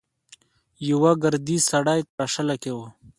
يوه ګردي سړی تراشله کې و.